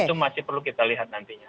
dan itu masih perlu kita lihat nantinya